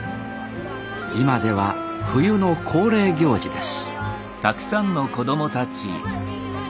今では冬の恒例行事です